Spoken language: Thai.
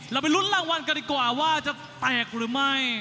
ไปลุ้นรางวัลกันดีกว่าว่าจะแตกหรือไม่